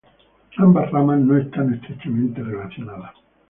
Ambas ramas no están estrechamente relacionadas.